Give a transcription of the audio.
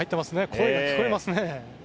声が聞こえますね。